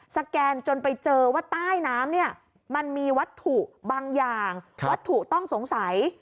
สแกนจนไปเจอว่าใต้น้ำเนี่ยมันมีวัตถุบางอย่างวัตถุต้องสงสัย